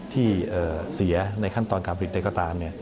ที่เสียในขั้นตอนการผิดใดก็ตาม